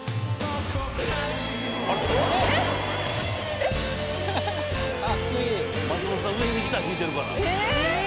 えっ⁉松本さん上でギター弾いてるからえ⁉